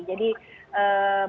jadi berbagai hal